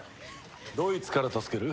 どいつから助ける？